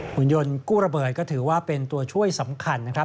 คุณยนต์กู้ระเบิดก็ถือว่าเป็นตัวช่วยสำคัญนะครับ